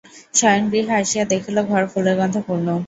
শয়নগৃহে আসিয়া দেখিল, ঘর ফুলের গন্ধে পূর্ণ।